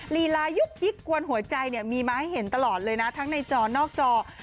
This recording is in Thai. ลีลายุกยิกกวนหัวใจเนี่ยมีมาให้เห็นตลอดเลยนะทั้งในจอนอกจอ